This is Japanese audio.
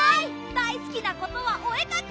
だいすきなことはおえかき！